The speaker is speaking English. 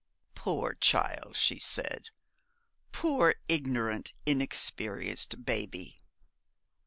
'Poor child!' she said; 'poor ignorant, inexperienced baby!